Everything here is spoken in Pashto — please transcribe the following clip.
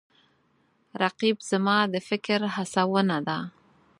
رقیب زما د فکر هڅونه ده